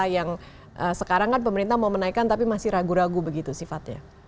yang sekarang kan pemerintah mau menaikkan tapi masih ragu ragu begitu sifatnya